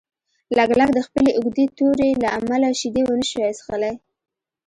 لګلګ د خپلې اوږدې تورې له امله شیدې ونشوای څښلی.